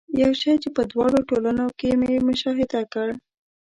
یو شی چې په دواړو ټولنو کې مې مشاهده کړ.